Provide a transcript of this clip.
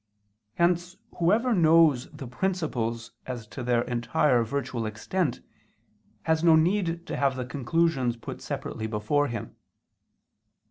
Hence whoever knows the principles as to their entire virtual extent has no need to have the conclusions put separately before him.